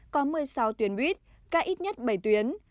có một mươi sáu tuyến buýt ca ít nhất bảy tuyến